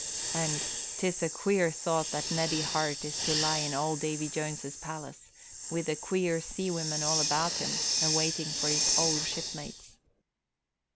And, "'Tis a queer thought that Neddie Hart is to lie in old Davy Jones's palace, with the queer sea women all about him, awaiting for his old shipmates."